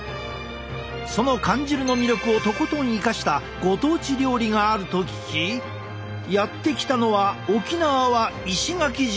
その缶汁の魅力をとことん生かしたご当地料理があると聞きやって来たのは沖縄は石垣島！